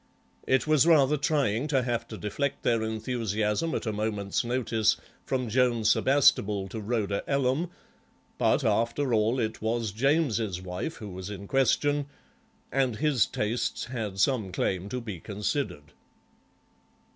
It was rather trying to have to deflect their enthusiasm at a moment's notice from Joan Sebastable to Rhoda Ellam; but, after all, it was James's wife who was in question, and his tastes had some claim to be considered.